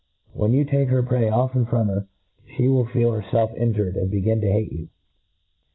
When you take her prey often from her, fhe will feel herfelf injured, and begin to hate you.